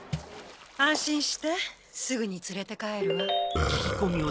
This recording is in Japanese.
安心してすぐに連れて帰るわ。